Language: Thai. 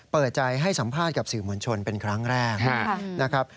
เปิดใจให้สัมภาษณ์กับสื่อมวลชนเป็นครั้งแรกนะครับ